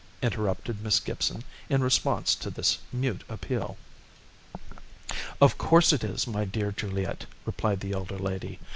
interrupted Miss Gibson, in response to this mute appeal. "Of course it is, my dear Juliet," replied the elder lady.